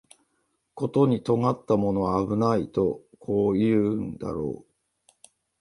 ことに尖ったものは危ないとこう言うんだろう